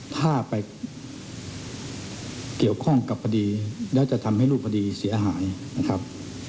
ถ้าไปเกี่ยวข้องกับคดีแล้วจะทำให้รูปคดีเสียหายนะครับ